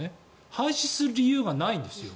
廃止する理由がないんですよ。